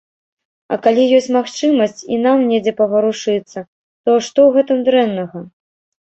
А калі ёсць магчымасць і нам недзе паварушыцца, то што ў гэтым дрэннага?